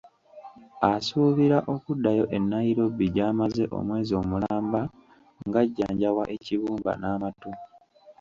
Asuubira okuddayo e Nairobi gy’amaze omwezi omulamba ng’ajjanjabwa ekibumba n’amatu.